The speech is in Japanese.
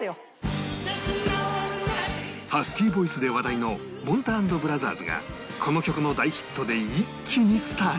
ハスキーボイスで話題のもんた＆ブラザーズがこの曲の大ヒットで一気にスターに！